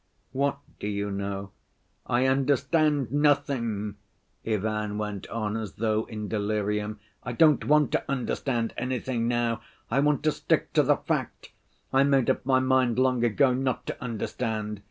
"What do you know?" "I understand nothing," Ivan went on, as though in delirium. "I don't want to understand anything now. I want to stick to the fact. I made up my mind long ago not to understand.